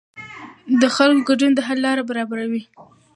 د خلکو ګډون د حل لاره برابروي